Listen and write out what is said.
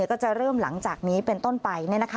ก็จะเริ่มหลังจากนี้เป็นต้นไป